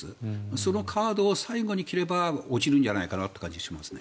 そのカードを最後に切れば落ちるんじゃないかなという感じがしますね。